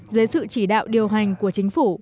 dưới sự chỉ đạo điều hành của chính phủ